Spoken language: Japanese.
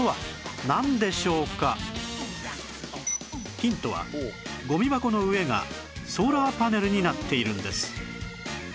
ヒントはゴミ箱の上がソーラーパネルになっているんです